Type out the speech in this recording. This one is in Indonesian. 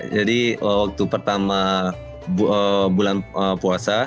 jadi waktu pertama bulan puasa